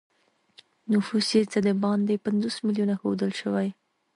نفوس یې څه د باندې پنځوس میلیونه ښودل شوی.